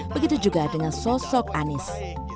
begitu juga dengan sosok anies